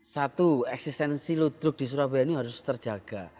satu eksistensi ludruk di surabaya ini harus terjaga